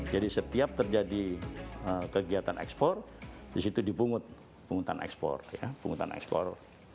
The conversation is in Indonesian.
jadi setiap terjadi kegiatan ekspor disitu dipungut pungutan ekspor